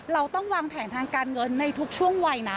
เราต้องวางแผนทางการเงินในทุกช่วงวัยนะ